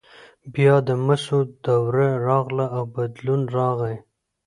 بیا د مسو دوره راغله او بدلون راغی.